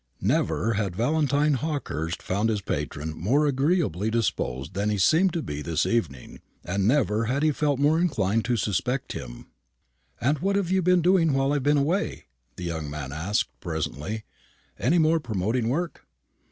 Never had Valentine Hawkehurst found his patron more agreeably disposed than he seemed to be this evening, and never had he felt more inclined to suspect him. "And what have you been doing while I have been away?" the young man asked presently. "Any more promoting work?"